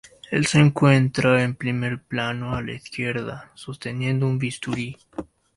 Él se encuentra en primer plano a la izquierda, sosteniendo un bisturí.